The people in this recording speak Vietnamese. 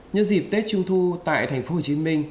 nhân dịp tết trung thu tại thành phố hồ chí minh